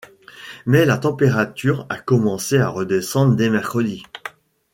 Mais la température a commencé à redescendre dès mercredi.